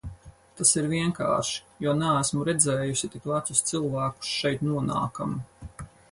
Tas ir vienkārši, jo neesmu redzējusi tik vecus cilvēkus šeit nonākam.